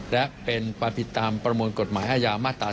และเป็นความผิดตามประมวลกฎหมายอาญามาตรา๑